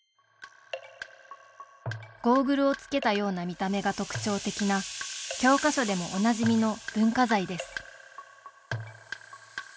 ゴーグルをつけたような見た目が特徴的な教科書でもおなじみの文化財です